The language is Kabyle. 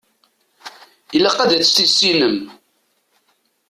Ilaq ad tt-tissinem.